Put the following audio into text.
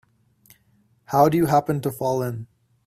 How'd you happen to fall in?